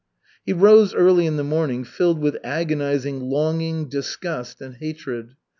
He rose early in the morning, filled with agonizing longing, disgust and hatred.